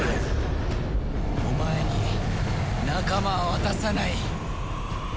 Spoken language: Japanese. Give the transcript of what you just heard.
お前に仲間は渡さない。